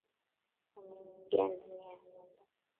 Wameingia ndani ya nyumba